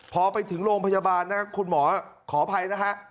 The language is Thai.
พอไปถึงโรงพยาบาลนะครับคุณหมอขออภัยนะฮะ